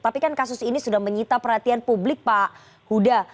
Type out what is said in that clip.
tapi kan kasus ini sudah menyita perhatian publik pak huda